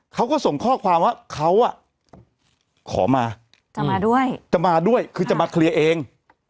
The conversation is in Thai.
เขาก็ส่งข้อความว่าเขาอ่ะขอมาจะมาด้วยจะมาด้วยคือจะมาเคลียร์เอง